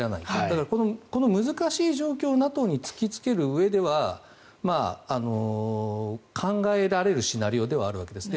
だからこの難しい状況をＮＡＴＯに突きつけるうえでは考えられるシナリオではあるわけです。